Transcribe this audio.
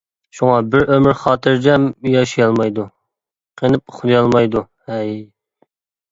شۇڭا بىر ئۆمۈر خاتىرجەم ياشىيالمايدۇ، قېنىپ ئۇخلىيالمايدۇ، ھەي!